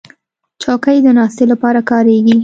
چوکۍ د ناستې لپاره کارېږي.